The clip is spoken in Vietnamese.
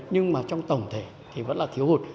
nhưng mà trong tổng thể thì vẫn là thiếu hụt